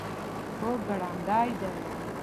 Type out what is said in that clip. هو، ګړندی دی